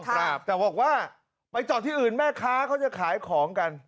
แต่บอกว่าไปจอดที่อื่นแม่ค้าเขาจะขายของกัน